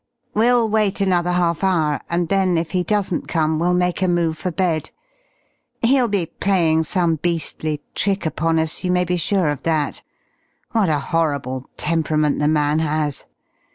We'll wait another half hour, and then if he doesn't come we'll make a move for bed. He'll be playing some beastly trick upon us, you may be sure of that. What a horrible temperament the man has!